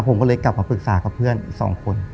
ผมก็เลยกลับมาปรึกษากับเพื่อนอีก๒คน